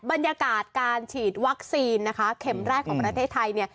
บรรยากาศการฉีดวัคซีนนะคะเข็มแรกของประเทศไทยเนี่ย